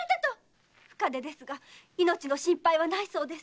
深手ですが命の心配はないそうです。